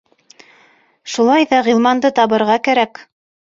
Шулай ҙа Ғилманды табырға кәрәк.